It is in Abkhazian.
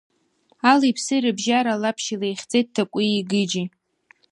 Алеи-ԥси рыбжьара, Лаԥшь илаихьӡеит Ҭакәии Гыџьи.